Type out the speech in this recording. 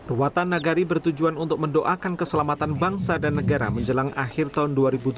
ruatan nagari bertujuan untuk mendoakan keselamatan bangsa dan negara menjelang akhir tahun dua ribu tujuh belas